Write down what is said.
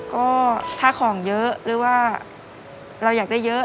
ก็ถ้าของเยอะหรือว่าเราอยากได้เยอะ